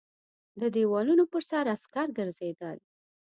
د دېوالونو پر سر عسکر ګرځېدل.